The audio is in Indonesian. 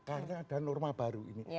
kayaknya ada norma baru ini